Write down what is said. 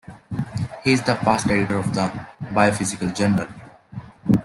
He is a past Editor of the "Biophysical Journal".